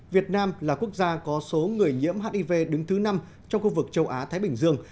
việt nam là quốc gia có số người nhiễm hiv đứng thứ năm trong khu vực châu á thái bình dương